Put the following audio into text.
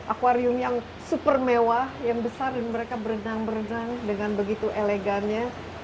akwarium yang super mewah yang besar dan mereka berenang berenang dengan begitu elegannya